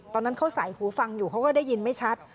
ตอนนั้นเขาใส่หูฟังอยู่เขาก็ได้ยินไม่ชัด